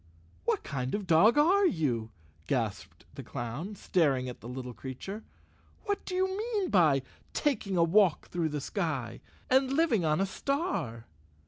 "What kind of a dog are you?" gasped the clown, staring at the little creature. " What do you mean by taking a walk through the sky, and living on a star?"